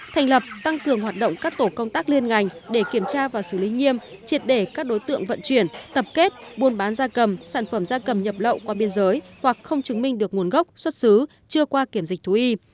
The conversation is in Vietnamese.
thành lập tăng cường hoạt động các tổ công tác liên ngành để kiểm tra và xử lý nghiêm triệt để các đối tượng vận chuyển tập kết buôn bán da cầm sản phẩm da cầm nhập lậu qua biên giới hoặc không chứng minh được nguồn gốc xuất xứ chưa qua kiểm dịch thú y